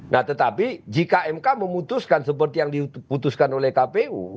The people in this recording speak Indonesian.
nah tetapi jika mk memutuskan seperti yang diputuskan oleh kpu